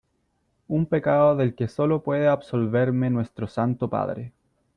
un pecado del que sólo puede absolverme Nuestro Santo Padre .